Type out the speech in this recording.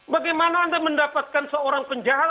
bagaimana anda mendapatkan seorang penjahat